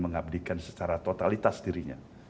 mengabdikan secara totalitas dirinya